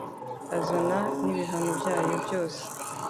azana n’ibihano byayo byose….